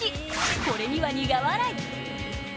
これには苦笑い。